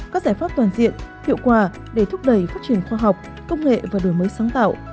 các giải pháp toàn diện hiệu quả để thúc đẩy phát triển khoa học công nghệ và đổi mới sáng tạo